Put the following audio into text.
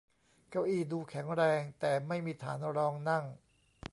เก้าอี้ดูแข็งแรงแต่ไม่มีฐานรองนั่ง